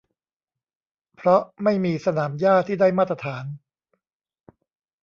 เพราะไม่มีสนามหญ้าที่ได้มาตรฐาน